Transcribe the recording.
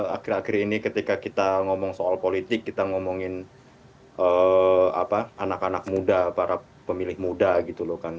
akhir akhir ini ketika kita ngomong soal politik kita ngomongin anak anak muda para pemilih muda gitu loh kan